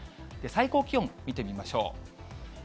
最高気温見てみましょう。